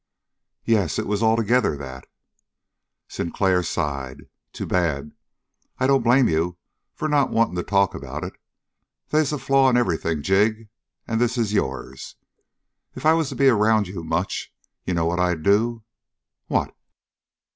"Yes. It was altogether that." Sinclair sighed. "Too bad! I don't blame you for not wanting to talk about it. They's a flaw in everything, Jig, and this is yours. If I was to be around you much, d'you know what I'd do?" "What?"